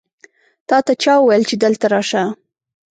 تاته چا وویل چې دلته راشه؟